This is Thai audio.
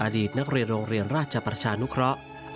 อดีตนักเรียนโรงเรียนราชประชานุเคราะห์